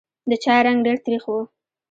د چای رنګ ډېر تریخ و.